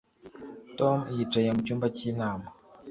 Tom yicaye mu cyumba cyinama